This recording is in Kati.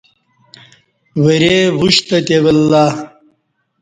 ورے وُشتہ تے ولہ